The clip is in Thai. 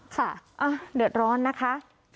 ค่ะเดือดร้อนนะคะ